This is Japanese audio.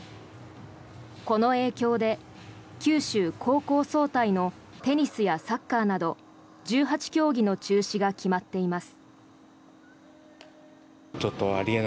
この影響で九州高校総体のテニスやサッカーなど１８競技の中止が決まっています。